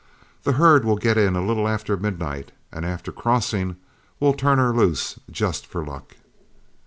The herd will get in a little after midnight, and after crossing, we'll turn her loose just for luck."